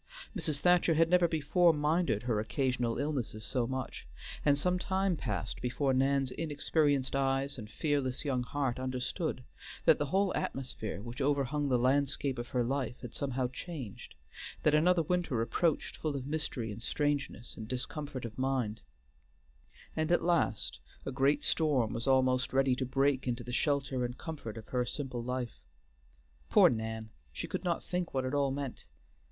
Mrs. Thacher had never before minded her occasional illnesses so much, and some time passed before Nan's inexperienced eyes and fearless young heart understood that the whole atmosphere which overhung the landscape of her life had somehow changed, that another winter approached full of mystery and strangeness and discomfort of mind, and at last a great storm was almost ready to break into the shelter and comfort of her simple life. Poor Nan! She could not think what it all meant.